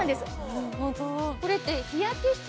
なるほど。